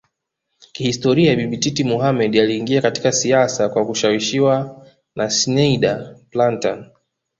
Kihistoria Bibi Titi Mohammed aliingia katika siasa kwa kushawishiwa na Schneider Plantan